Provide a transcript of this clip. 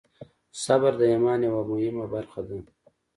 صبر د ایمان یوه مهمه برخه ده.